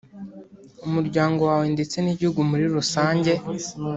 umuryango wawe ndetse n’igihugu muri rusange